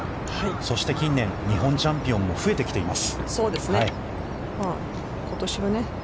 そして近年日本チャンピオンも増えてきています。